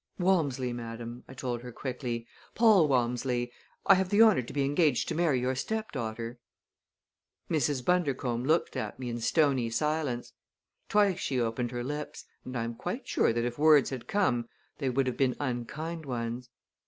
"Walmsley, madam," I told her quickly, "Paul Walmsley. I have the honor to be engaged to marry your stepdaughter." Mrs. Bundercombe looked at me in stony silence. Twice she opened her lips, and I am quite sure that if words had come they would have been unkind ones.